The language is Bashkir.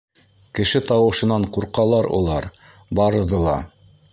Кеше тауышынан ҡурҡалар улар барыҙы ла.